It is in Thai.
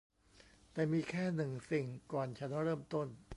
แต่มีแค่หนึ่งสิ่งก่อนฉันเริ่มต้น